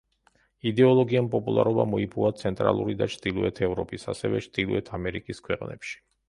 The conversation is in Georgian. იდეოლოგიამ პოპულარობა მოიპოვა ცენტრალური და ჩრდილოეთ ევროპის, ასევე ჩრდილოეთ ამერიკის ქვეყნებში.